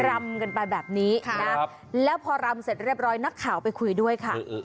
รำกันไปแบบนี้นะแล้วพอรำเสร็จเรียบร้อยนักข่าวไปคุยด้วยค่ะ